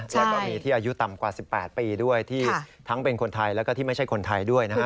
แล้วก็มีที่อายุต่ำกว่า๑๘ปีด้วยที่ทั้งเป็นคนไทยแล้วก็ที่ไม่ใช่คนไทยด้วยนะฮะ